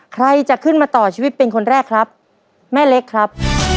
ในชีวิตเป็นคนแรกครับแม่เล็กครับ